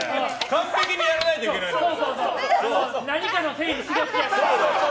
完璧にやらないといけないから。